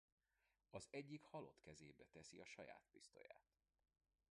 Az egyik halott kezébe teszi a saját pisztolyát.